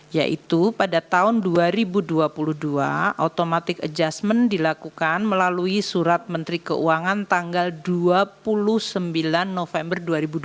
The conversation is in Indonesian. yaitu pada tahun dua ribu dua puluh dua automatic adjustment dilakukan melalui surat menteri keuangan tanggal dua puluh sembilan november dua ribu dua puluh